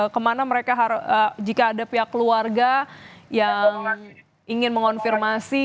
kemana mereka jika ada pihak keluarga yang ingin mengonfirmasi